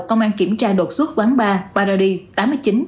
công an kiểm tra đột xuất quán bar paradise tám mươi chín